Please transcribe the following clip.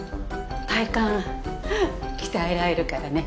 体幹鍛えられるからね。